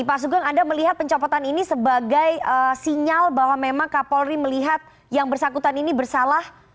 pak sugeng anda melihat pencopotan ini sebagai sinyal bahwa memang kapolri melihat yang bersangkutan ini bersalah